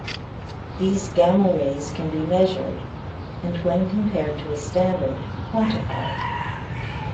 These gamma rays can be measured, and when compared to a standard, quantified.